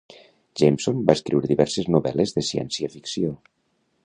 Jameson va escriure diverses novel.les de ciència ficció.